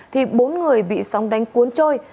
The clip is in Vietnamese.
thì bốn người bị sóng đánh cuốn trôi